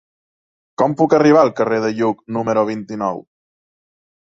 Com puc arribar al carrer de Lluc número vint-i-nou?